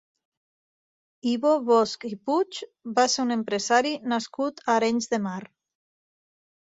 Ivo Bosch i Puig va ser un empresari nascut a Arenys de Mar.